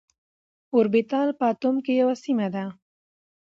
اوربيتال په اتوم کي يوه سيمه ده.